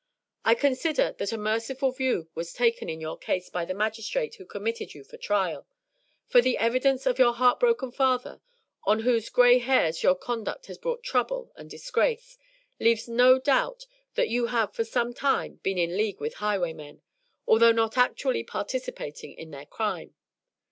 I consider that a merciful view was taken of your case by the magistrates who committed you for trial, for the evidence of your heartbroken father, on whose gray hairs your conduct has brought trouble and disgrace, leaves no doubt that you have for some time been in league with highwaymen, although not actually participating in their crime.